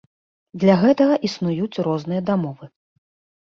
Для гэтага існуюць розныя дамовы.